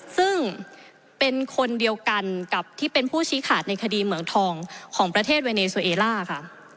ซึ่งเป็นคนเดียวกันกับที่เป็นผู้ชี้ขาดในคดีเหมืองทองของประเทศเวเนโซเอล่าค่ะ